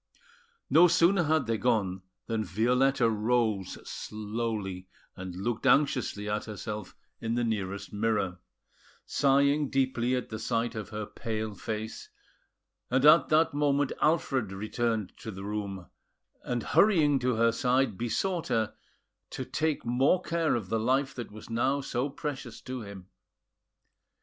No sooner had they gone than Violetta rose slowly, and looked anxiously at herself in the nearest mirror, sighing deeply at the sight of her pale face; and at that moment, Alfred returned to the room, and, hurrying to her side, besought her to take more care of the life that was now so precious to him.